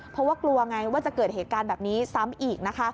เพราะว่ากลัวไงว่าจะเกิดเหตุการณ์แบบนี้ซ้ำอีกนะคะ